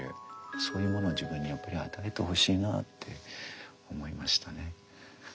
そういうものを自分にやっぱり与えてほしいなって思いましたね。